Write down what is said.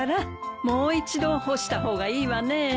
もう一度干した方がいいわね。